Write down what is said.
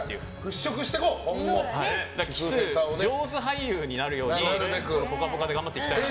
キス上手俳優になるように「ぽかぽか」で頑張っていきたいなと。